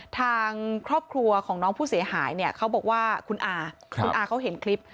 ทางครอบครัวของน้องผู้เสียหายเนี่ยเขาบอกว่าคุณอาคุณอาเขาเห็นคลิป